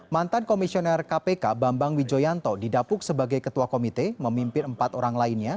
mantan komisioner kpk bambang wijoyanto didapuk sebagai ketua komite memimpin empat orang lainnya